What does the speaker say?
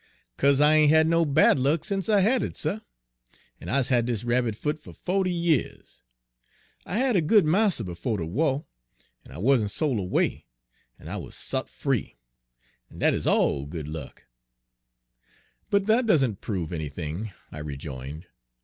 " 'Ca'se I ain' had no bad luck sence I had it, suh, en I's had dis rabbit foot fer fo'ty yeahs. I had a good marster befo' de wah, en I wa'n't sol' erway, en I wuz sot free; en dat 'uz all good luck." "But that doesn't prove anything," I rejoined.